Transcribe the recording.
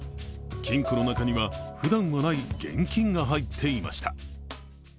金庫の中には、ふだんはない現金が入っていました。